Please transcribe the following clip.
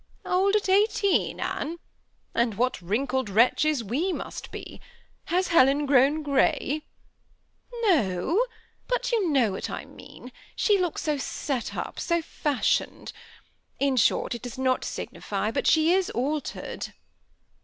" Old at eighteen, Anne ! what wrinkled wretches we must be ! Has Helen grown gray ?"" No ; but you know what I mean : she looks so set up, so fashioned. In short, it does not signify, but she is altered."